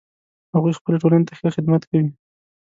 هغوی خپلې ټولنې ته ښه خدمت کوي